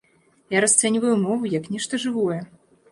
Я расцэньваю мову як нешта жывое.